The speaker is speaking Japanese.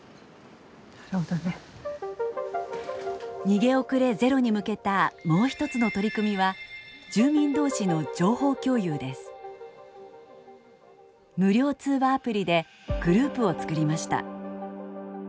逃げ遅れゼロに向けたもう一つの取り組みは無料通話アプリでグループを作りました。